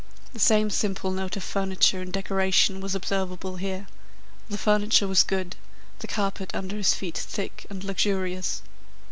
The same simple note of furniture and decoration was observable here. The furniture was good, the carpet under his feet thick and luxurious.